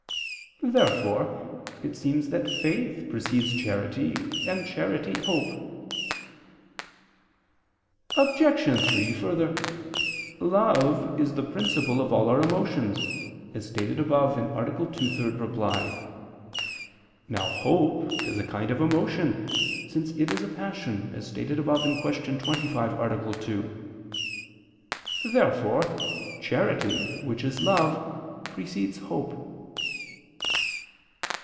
Therefore it seems that faith precedes charity, and charity hope. Obj. 3: Further, love is the principle of all our emotions, as stated above (A. 2, ad 3). Now hope is a kind of emotion, since it is a passion, as stated above (Q. 25, A. 2). Therefore charity, which is love, precedes hope.